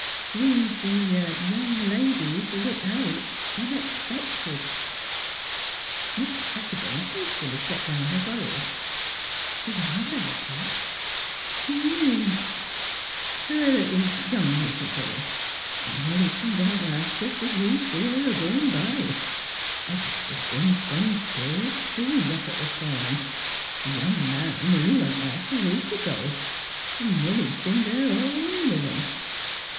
" Seems th' young lady's lit out, unexpected." Mrs. Pettibone hastily set down her bowl. " The young lady? Do you mean "" Her 'at was young Mis' Hill. Milly come down t' ask us, did we see her a goin' by? I guess the's b'en some cur 'us doin's up t' th' farm. The young man, he went off a week ago. 'N' Milly 's b'en there alone with 'em.